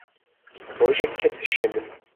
rojek ket heşê min.